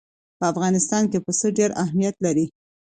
په افغانستان کې پسه ډېر اهمیت لري.